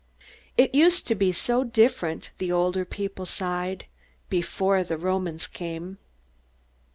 "It used to be so different," the older people sighed, "before the Romans came."